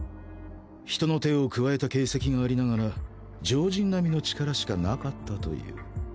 人の手を加えた形跡がありながら常人並みの力しかなかったという。